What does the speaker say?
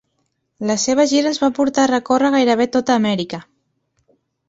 La seva gira els va portar a recórrer gairebé tota Amèrica.